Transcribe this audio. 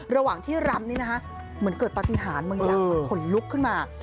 ระหว่างที่รำนี้นะคะเหมือนเกิดปฏิหารบางอย่างมันขนลุกขึ้นมา